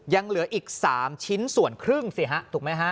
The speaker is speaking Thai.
ยังเหลืออีก๓ชิ้นส่วนครึ่งสิฮะถูกไหมฮะ